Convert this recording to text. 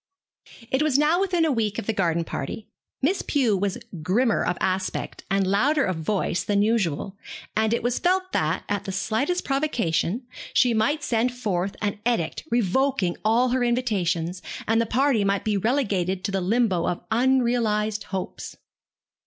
It was now within a week of the garden party. Miss Pew was grimmer of aspect and louder of voice than usual, and it was felt that, at the slightest provocation, she might send forth an edict revoking all her invitations, and the party might be relegated to the limbo of unrealized hopes.